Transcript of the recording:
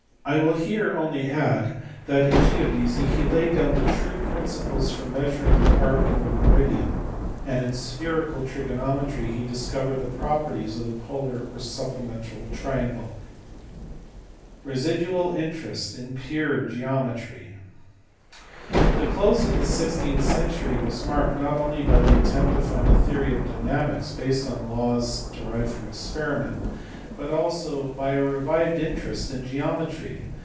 I will here only add that in geodesy he laid down the true principles for measuring the arc of a meridian, and in spherical trigonometry he discovered the properties of the pola/ or supplemental triangle. Revival of interest in pure geometry. The close of the sixteenth century was marked not only by the attempt to found a theory of dynamics based on laws derived from experiment, but also by a revived interest in geometry.